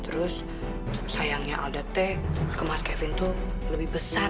terus sayangnya alda t ke mas kevin tuh lebih besar